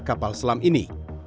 kapal selam ini